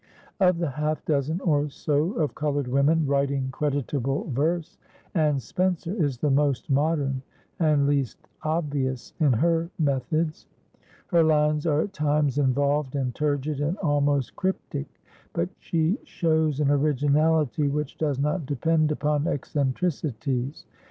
Of the half dozen or so of colored women writing creditable verse, Anne Spencer is the most modern and least obvious in her methods. Her lines are at times involved and turgid and almost cryptic, but she shows an originality which does not depend upon eccentricities.